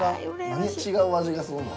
何違う味がするの？